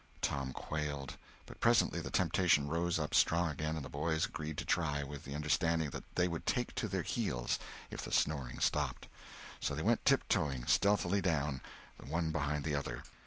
Tom quailed. But presently the temptation rose up strong again and the boys agreed to try, with the understanding that they would take to their heels if the snoring stopped. So they went tiptoeing stealthily down, the one behind the other.